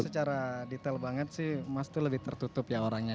secara detail banget sih mas itu lebih tertutup ya orangnya